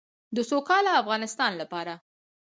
د سوکاله افغانستان لپاره.